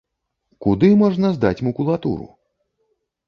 Куды можна здаць макулатуру?